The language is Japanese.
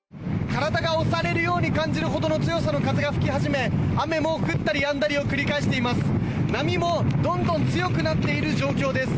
体が押されるように感じるほどの強さの風が吹き始め雨も降ったりやんだりを繰り返しています。